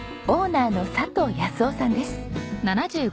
オーナーの佐藤安雄さんです。